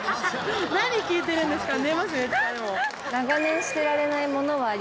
何聞いてるんですか！